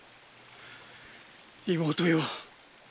妹よ！